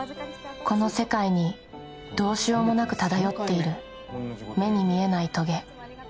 この世界にどうしようもなく漂っている目に見えないトゲ